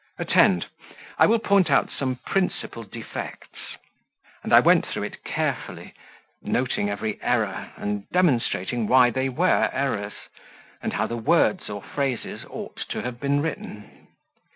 Attend: I will point out some principal defects." And I went through it carefully, noting every error, and demonstrating why they were errors, and how the words or phrases ought to have been written.